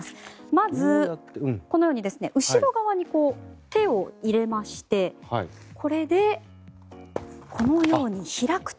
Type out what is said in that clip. まず、このように後ろ側に手を入れましてこれで、このように開くと。